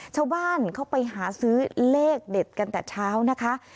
ชาวบ้านเขาไปหาซื้อเลขเด็ดกันแต่เช้านะคะ